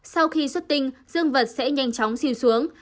sau khi xuất tinh dương vật sẽ nhanh chóng xin xuống